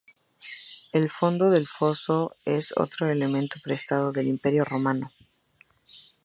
El fondo del foso es otro elemento prestado del Imperio Romano.